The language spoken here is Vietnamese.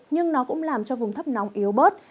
nhưng nó cũng làm cho vùng thấp nóng yếu bớt